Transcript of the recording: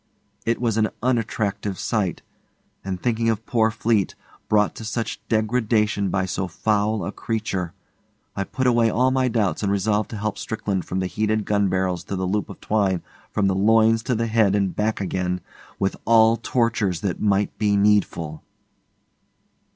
It was an unattractive sight, and thinking of poor Fleete, brought to such degradation by so foul a creature, I put away all my doubts and resolved to help Strickland from the heated gun barrels to the loop of twine from the loins to the head and back again with all tortures that might be needful.